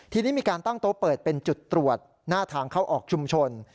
ทีนี้มีการตั้งโต๊ะเปิดเป็นจุดตรวจหน้าทางเข้าออกชุมชน